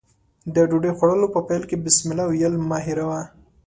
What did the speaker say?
د ډوډۍ خوړلو په پیل کې بسمالله ويل مه هېروه.